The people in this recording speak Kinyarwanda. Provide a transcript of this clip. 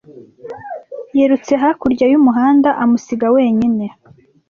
Yirutse hakurya y'umuhanda, amusiga wenyine.